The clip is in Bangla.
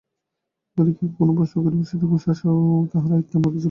বালিকাকে কোনো প্রশ্ন করিবে, সেটুকু শ্বাসও যেন তাহার আয়ত্তের মধ্যে ছিল না।